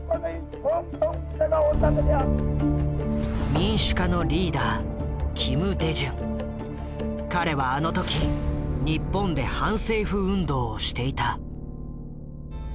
民主化のリーダー彼はあの時日本で反政府運動をしていた。